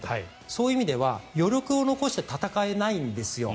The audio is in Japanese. そういう意味では余力を残して戦えないんです。